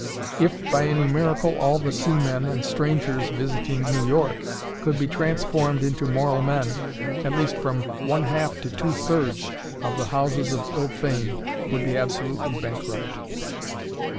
If, by any miracle, all the seamen and strangers visiting New York could be transformed into moral men, at least from one half to two thirds of the houses of ill fame would be absolutely bankrupt.